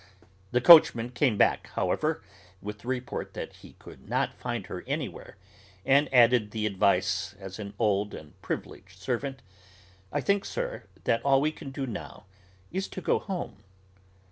The coachman came back, however, with the report that he could not find her anywhere, and added the advice, as an old and privileged servant, "I think, sir, that all we can do now is to go home."